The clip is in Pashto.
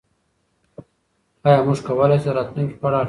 آیا موږ کولای شو د راتلونکي په اړه اټکل وکړو؟